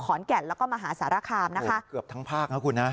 แก่นแล้วก็มหาสารคามนะคะเกือบทั้งภาคนะคุณนะ